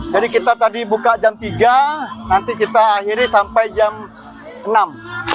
jadi kita tadi buka jam tiga nanti kita akhiri sampai jam enam